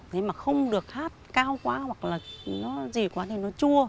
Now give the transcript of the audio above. thế mà không được hát cao quá hoặc là nó gì quá thì nó chua